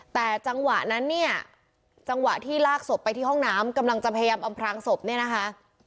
แต่จังหวะนั้นเนี่ยจังหวะที่ลากศพไปที่ห้องน้ำกำลังจะพยายามอำพรางศพเนี่ยนะคะ